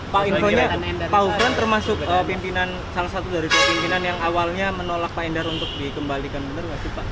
pak infonya pak ufran termasuk pimpinan salah satu dari pimpinan yang awalnya menolak pak endar untuk dikembalikan benar nggak sih pak